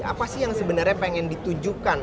apa sih yang sebenarnya pengen ditujukan